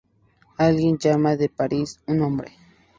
Alguien llama de Paris, un hombre.